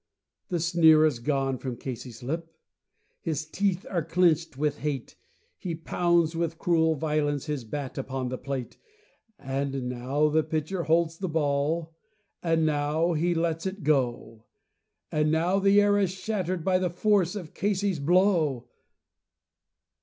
The sneer is gone from Casey's lip, his teeth are clenched in hate; He pounds with cruel violence his bat upon the plate; And now the pitcher holds the ball, and now he lets it go, And now the air is shattered by the force of Casey's blow.